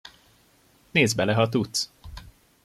Nézz bele, ha tudsz!